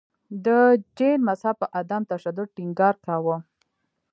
د جین مذهب په عدم تشدد ټینګار کاوه.